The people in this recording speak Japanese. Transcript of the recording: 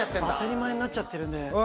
当たり前になっちゃってるんで。